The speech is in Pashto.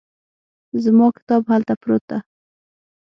زما کتاب هلته پروت ده